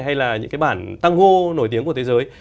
hay là những cái bản tango nổi tiếng của thế giới